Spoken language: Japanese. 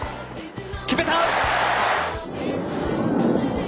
決めた！